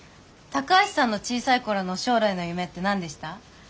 高橋さんの小さい頃の将来の夢って何でした？